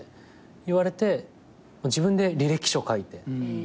言われて自分で履歴書を書いて。